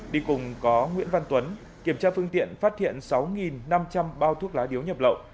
đi cùng có nguyễn văn tuấn kiểm tra phương tiện phát hiện sáu năm trăm linh bao thuốc lá điếu nhập lậu